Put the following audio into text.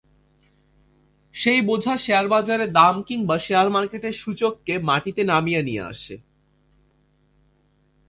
সেই বোঝা শেয়ারবাজারে দাম কিংবা শেয়ার মার্কেটের সূচককে মাটিতে নামিয়ে নিয়ে আসে।